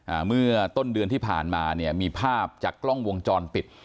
เมื่อต้นเดือนที่ผ่านมาเนี่ยมีภาพจากกล้องวงจรปิด